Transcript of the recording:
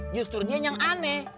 justru yang aneh